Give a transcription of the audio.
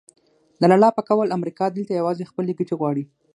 د لالا په قول امریکا دلته یوازې خپلې ګټې غواړي.